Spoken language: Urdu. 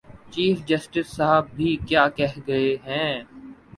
چیف جسٹس صاحب بھی کیا کہہ گئے ہیں؟